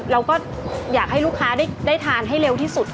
เราก็อยากให้ลูกค้าได้ทานให้เร็วที่สุด